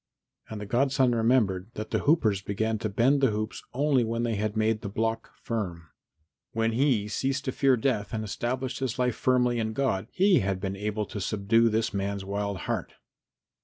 And the godson remembered that the hoopers began to bend the hoops only when they had made the block firm. When he ceased to fear death and established his life firmly in God he had been able to subdue this man's wild heart.